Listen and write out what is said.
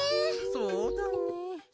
そうだね。